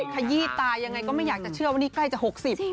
ขยี้ตายังไงก็ไม่อยากจะเชื่อว่านี่ใกล้จะ๖๐